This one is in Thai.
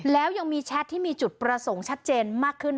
แล้วยังมีแชทที่มีจุดประสงค์ชัดเจนมากขึ้น